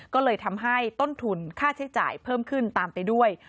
ก็เลยทำให้ต้นทุนค่าใช้จ่ายเพิ่มขึ้นตามไปด้วย